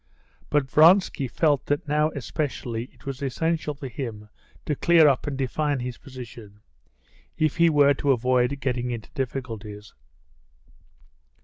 But Vronsky felt that now especially it was essential for him to clear up and define his position if he were to avoid getting into difficulties.